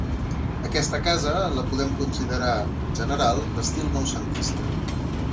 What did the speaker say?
Aquesta casa, la podem considerar, en general, d'estil noucentista.